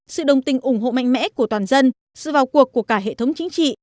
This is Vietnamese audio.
sự đồng tình ủng hộ mạnh mẽ của toàn dân sự vào cuộc của cả hệ thống chính trị